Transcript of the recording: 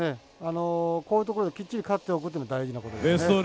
こういうところできっちり勝っておくというの大事なことですね。